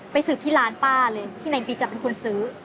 สืบที่ร้านป้าเลยที่ไหนบิ๊กเป็นคนซื้อ